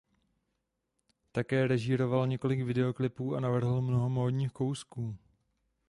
Také režíroval několik videoklipů a navrhl mnoho módních kousků.